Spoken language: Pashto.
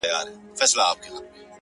بیا ورته وایه چي ولي زه هر ځل زه یم;